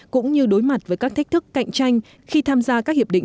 cũng như đối mặt với các thách thức cạnh tranh khi tham gia các hiệp định